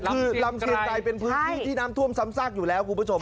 คือลำเชียงไกรเป็นพื้นที่ที่น้ำท่วมซ้ำซากอยู่แล้วคุณผู้ชม